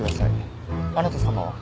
あなた様は？